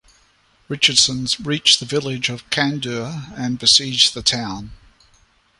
Richardson reached the village of Khandur and besieged the town.